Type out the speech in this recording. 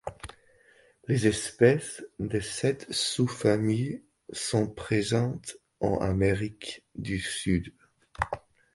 Les espèces de cette sous-famille sont présentes en Amérique du Sud.